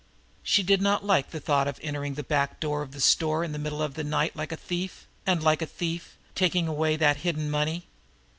She did not like the thought of entering the back door of a store in the middle of the night like a thief, and, like a thief, taking away that hidden money.